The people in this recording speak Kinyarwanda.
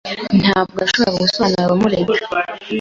Ntabwo yari gushobora gusobanurira abamurega,